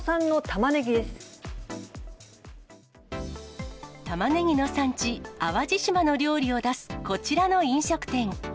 たまねぎの産地、淡路島の料理を出すこちらの飲食店。